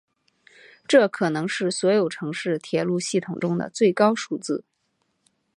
这可能是所有城市铁路系统中的最高数字。